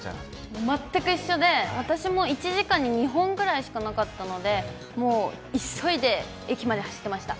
全く一緒で、私も１時間に２本ぐらいしかなかったので、もう急いで駅まで走っていました。